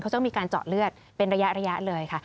เขาต้องมีการเจาะเลือดเป็นระยะเลยค่ะ